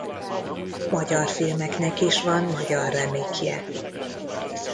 Magyar filmeknek is van magyar remake-je.